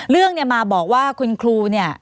เรื่องมาบอกว่าคุณครู